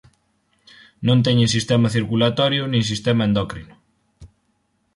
Non teñen sistema circulatorio nin sistema endócrino.